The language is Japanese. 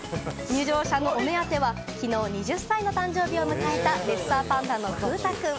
入場者のお目当てはきのう２０歳の誕生日を迎えた、レッサーパンダの風太くん。